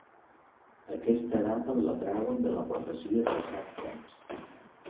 Aquesta data la treuen de la Profecia dels Set Temps.